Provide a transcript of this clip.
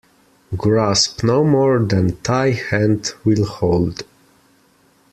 Grasp no more than thy hand will hold.